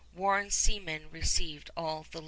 Warren's seamen received all the loot.